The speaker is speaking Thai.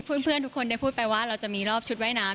เพื่อนทุกคนได้พูดไปว่าเราจะมีรอบชุดว่ายน้ำ